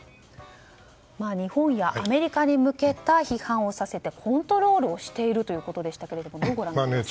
日本やアメリカに向けた批判をさせてコントロールをしているということでしたがどうご覧になりますか？